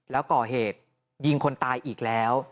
แล้วก่อเหตุยิงคนตายอีกแล้ว